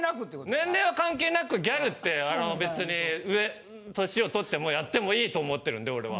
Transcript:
年齢は関係なくギャルって別に上年を取ってもやってもいいと思ってるんで俺は。